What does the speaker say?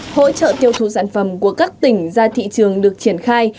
hỗ trợ tiêu thụ sản phẩm của các tỉnh ra thị trường được triển khai